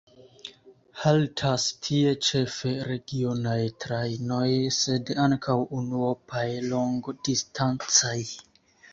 Haltas tie ĉefe regionaj trajnoj, sed ankaŭ unuopaj longdistancaj.